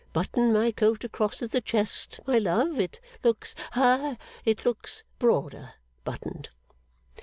Button my coat across at the chest, my love. It looks ha it looks broader, buttoned.